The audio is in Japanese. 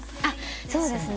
そうですね。